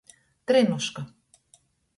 Trynuška.